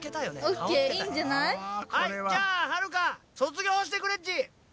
はいじゃあはるか卒業してくれっち。